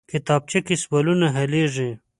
کتابچه کې سوالونه حلېږي